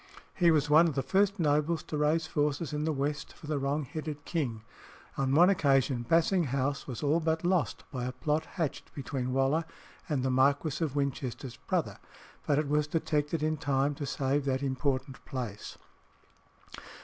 He was one of the first nobles to raise forces in the West for the wrong headed king. On one occasion Basing House was all but lost by a plot hatched between Waller and the Marquis of Winchester's brother, but it was detected in time to save that important place.